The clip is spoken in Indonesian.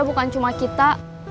bukan cuma kita